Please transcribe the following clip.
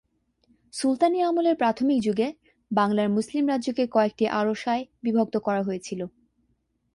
সুলতানি আমলের প্রাথমিক যুগে বাংলার মুসলিম রাজ্যকে কয়েকটি আরসায় বিভক্ত করা হয়েছিল।